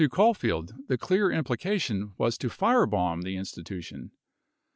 125 To Caulfield, the clear implication was to fire bomb the Institution.